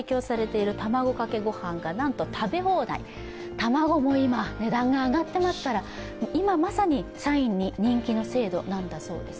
卵も今、値段が上がってますから今まさに社員に人気の制度なんだそうです。